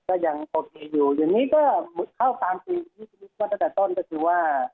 ก็ยังโอเคอยู่อย่างนี้ก็เข้าตามว่าตั้งแต่ต้นก็คือว่า